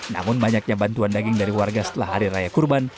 namun banyaknya bantuan daging dari warga setelah hari raya kurban